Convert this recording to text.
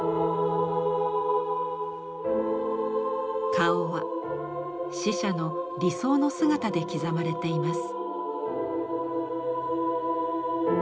顔は死者の理想の姿で刻まれています。